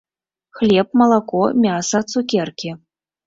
Хлеб, малако, мяса, цукеркі.